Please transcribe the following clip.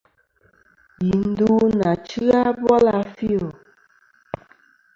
Yi ndu nà chya bòl a fil.